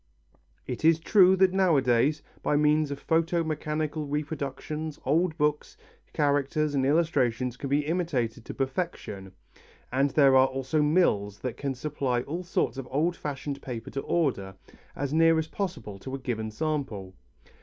It is true that nowadays, by means of photo mechanical reproductions old books, characters and illustrations can be imitated to perfection, and there are also mills that can supply all sorts of old fashioned paper to order, as near as possible to a given sample.